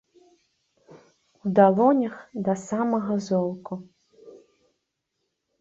У далонях да самага золку.